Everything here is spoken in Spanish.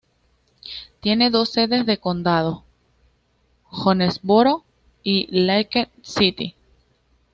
Tiene dos sedes de condado: Jonesboro y Lake City.